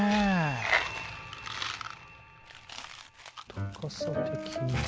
高さ的には。